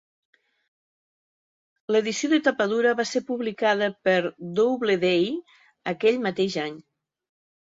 L'edició de tapa dura va ser publicada per Doubleday aquell mateix any.